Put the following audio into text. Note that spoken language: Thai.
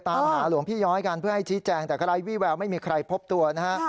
ตามหาหลวงพี่ย้อยกันเพื่อให้ชี้แจงแต่ก็ไร้วี่แววไม่มีใครพบตัวนะฮะ